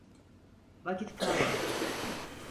Vakit kalmadı.